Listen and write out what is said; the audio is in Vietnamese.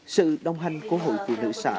sự đồng hành của hội phụ nữ xã